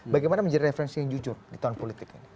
bagaimana menjadi referensi yang jujur di tahun politik ini